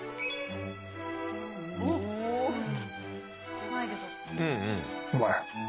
うまい。